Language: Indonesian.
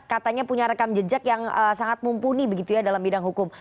katanya punya rekam jejak yang sangat mumpuni begitu ya dalam bidang hukum